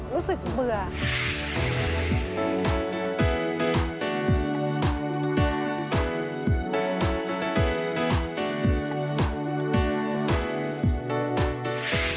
รู้สึกเบื่อ